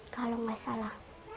kalau gak salah